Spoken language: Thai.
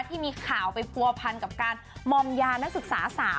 ที่มีข่าวไปผัวพันกับการมอมยานักศึกษาสาว